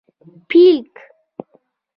🦃 پېلک